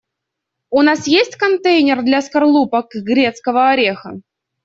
У нас есть контейнер для скорлупок грецкого ореха?